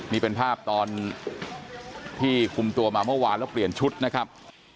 นี่เป็นภาพตอนที่คุมตัวมาเมื่อวานแล้วเปลี่ยนชุดนะครับ